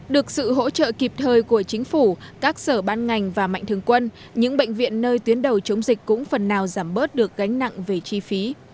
được sự hỗ trợ kịp thời của chính phủ các sở ban ngành và mạnh thường quân những bệnh viện nơi tuyến đầu chống dịch cũng phần nào giảm bớt được gánh nặng về chi phí